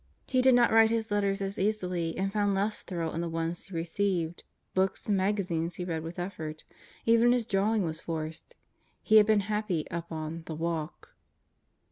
He did not write his letters as easily and found less thrill in the ones he received. Books and magazines he read with effort. Even his drawing was forced. He had been happy up on "the walk."